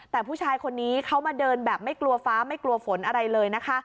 แต่ผู้ชายคนนี้เขามาเดินแบบไม่กลัวฟ้าไม่กลัวฝนอะไรเลยนะคะ